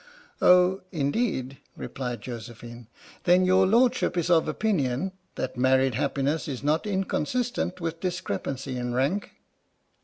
"Oh, indeed," replied Josephine; "then your Lordship is of opinion that married happiness is not inconsistent with discrepancy in rank?"